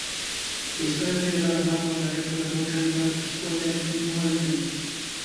Euskal Herria eta Nafarroa Garaiko Erronkaribar eskualdearekin muga egiten du.